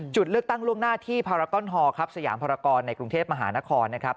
จุดเลือกตั้งล่วงหน้าที่พารากอนฮอลครับสยามภารกรในกรุงเทพมหานครนะครับ